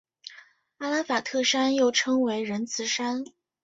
阿拉法特山又称为仁慈山。